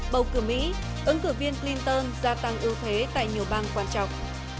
bầu cử mỹ ứng cử viên clinton gia tăng ưu thế tại nhiều bang quan trọng